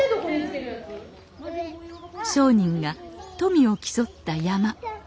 商人が富を競った山車。